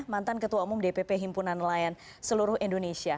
mantan ketua umum dpp himpunan nelayan seluruh indonesia